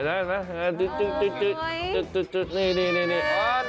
ไม่รู้เหมือนกับสุดท้ายออกไปอย่างไร